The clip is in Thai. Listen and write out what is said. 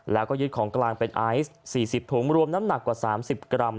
แล้วก็ยึดของกลางเป็นไอซ์๔๐ถุงรวมน้ำหนักกว่า๓๐กรัม